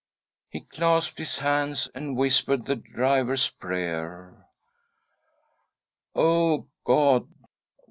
He clasped his hands and whispered the Driver's prayer :" O God